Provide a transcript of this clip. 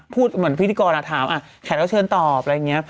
พูดเหมือนพิธีกรถามแขกรับเชิญตอบอะไรอย่างนี้